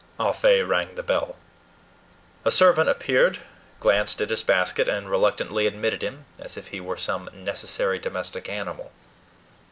Ah Fe rang the bell. A servant appeared, glanced at his basket, and reluctantly admitted him, as if he were some necessary domestic animal.